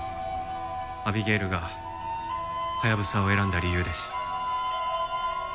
アビゲイルがハヤブサを選んだ理由です。